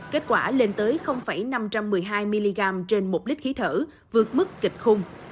kết quả lên tới năm trăm một mươi hai mg trên một lít khí thở vượt mức kịch khung